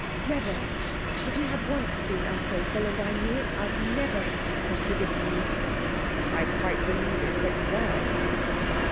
Never! If you had once been unfaithful, and I knew it, I'd never have forgiven you.' 'I quite believe it. But why?'